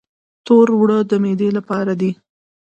تور اوړه د معدې لپاره دي.